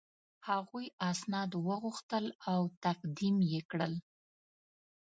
هغوی اسناد وغوښتل او تقدیم یې کړل.